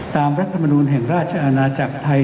รัฐมนูลแห่งราชอาณาจักรไทย